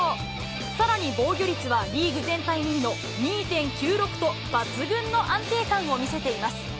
さらに防御率はリーグ全体２位の２．９６と抜群の安定感を見せています。